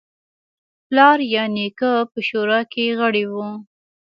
پلار یا نیکه په شورا کې غړی و.